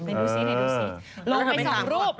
ดูสิดูสิ